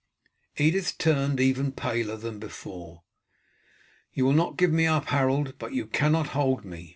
Edith turned even paler than before. "You will not give me up, Harold, but you cannot hold me.